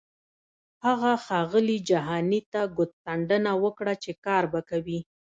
هغه ښاغلي جهاني ته کوتڅنډنه وکړه چې کار به کوي.